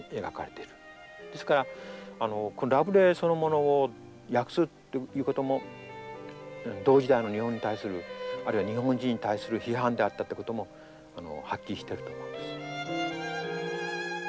ですからラブレーそのものを訳すっていうことも同時代の日本に対するあるいは日本人に対する批判であったってこともはっきりしてると思うんです。